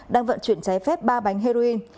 đang vận chuyển trái phép ba bánh heroin